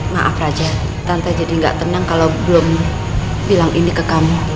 maaf aja tante jadi gak tenang kalau belum bilang ini ke kamu